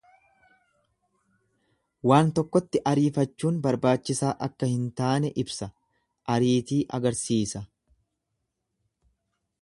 Waan tokkotti ariifachuun barbaachisaa akka hin taane ibsa, Ariitii agarsiisa.